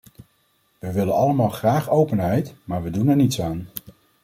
We willen allemaal graag openheid, maar we doen er niets aan.